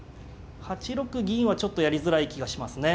８六銀はちょっとやりづらい気がしますね。